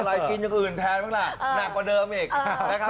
อะไรกินอย่างอื่นแทนบ้างล่ะหนักกว่าเดิมอีกนะครับ